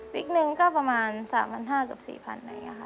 วิกหนึ่งก็ประมาณ๓๕๐๐กับ๔๐๐๐บาท